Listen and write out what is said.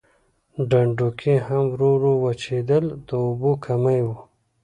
ډنډونکي هم ورو ورو وچېدل د اوبو کمی و.